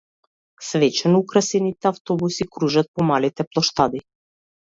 Свечено украсените автобуси кружат по малите плоштади.